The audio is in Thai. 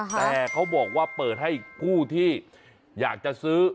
แต่เขาบอกว่าเปิดให้ผู้ที่อยากจะซื้อ